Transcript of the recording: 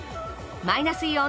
マイナスイオン